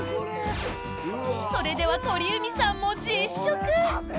それでは鳥海さんも実食！